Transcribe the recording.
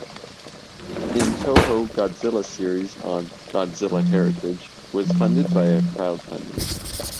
In Toho Godzilla Series on "Godzilla: Heritage" was funded via crowdfunding.